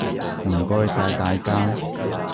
唔該晒大家！